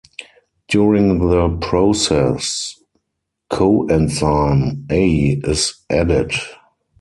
During the process, coenzyme A is added.